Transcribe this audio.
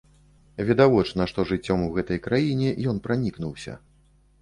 Відавочна, што жыццём у гэтай краіне ён пранікнуўся.